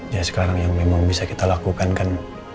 ya sekarang yang memang bisa kita lakukan kan